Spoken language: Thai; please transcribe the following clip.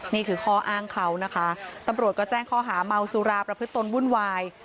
นี่คือข้ออ้างเขานะคะตำรวจก็แจ้งข้อหาเมาสุราประพฤติตนวุ่นวาย